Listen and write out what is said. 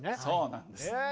そうなんです。